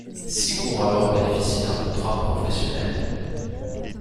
Six coureurs bénéficient d'un contrat professionnel.